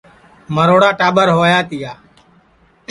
مروڑا ٹاٻر ہویا تِیا